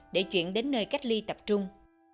để chuyển đến nơi cách ly tập trung